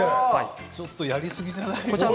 ちょっとやりすぎじゃない？